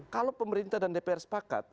kalau pemerintah dan dpr sepakat